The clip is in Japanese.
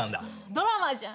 ドラマじゃん。